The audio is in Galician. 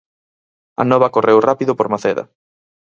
A nova correu rápido por Maceda.